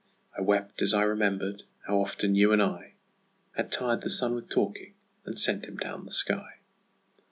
I wept as I remember'd how often you and I Had tired the sun with talking and sent him down the sky.